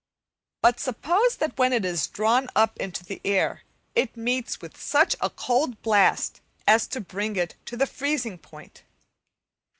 But suppose that when it is drawn up into the air it meets with such a cold blast as to bring it to the freezing point.